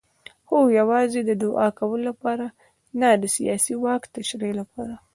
خو یوازې د دوعا کولو لپاره نه د سیاسي واک تشریح لپاره.